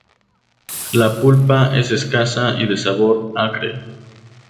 La pulpa es escasa y de sabor acre.